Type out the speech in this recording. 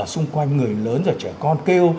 xung quanh người lớn và trẻ con kêu